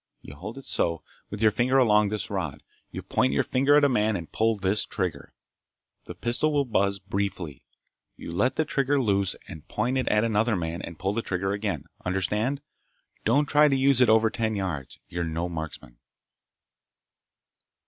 You hold it so, with your finger along this rod. You point your finger at a man and pull this trigger. The pistol will buzz—briefly. You let the trigger loose and point at another man and pull the trigger again. Understand? Don't try to use it over ten yards. You're no marksman!"